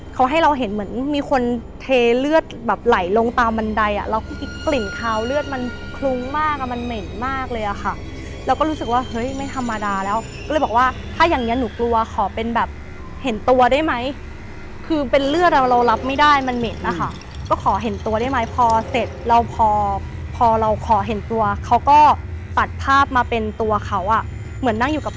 ก็เห็นเหมือนมีคนเทเลือดแบบไหลลงตามบันไดอ่ะแล้วก็มีกลิ่นขาวเลือดมันคลุ้งมากอ่ะมันเหม็นมากเลยอ่ะค่ะแล้วก็รู้สึกว่าเฮ้ยไม่ธรรมดาแล้วก็เลยบอกว่าถ้าอย่างเงี้ยหนูกลัวขอเป็นแบบเห็นตัวได้ไหมคือเป็นเลือดเราเรารับไม่ได้มันเหม็นอ่ะค่ะก็ขอเห็นตัวได้ไหมพอเสร็จแล้วพอพอเราขอเห็นตัวเข